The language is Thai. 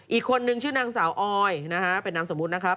อีกคนนึงชื่อนางสาวออยนะฮะเป็นนามสมมุตินะครับ